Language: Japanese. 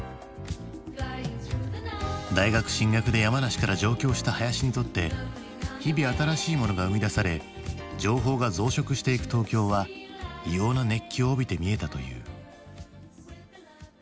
大学進学で山梨から上京した林にとって日々新しいものが生み出され情報が増殖していく東京は異様な熱気を帯びて見えたという。